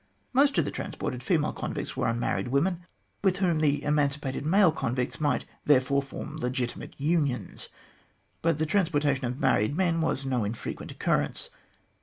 Most of the transported female convicts were unmarried women, with whom the emancipated male convicts might therefore form legitimate unions. But the transportation of married men was no infrequent occurrence.